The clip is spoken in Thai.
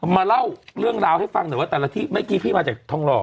มาเล่าเรื่องราวให้ฟังหน่อยว่าแต่ละที่เมื่อกี้พี่มาจากทองหล่อ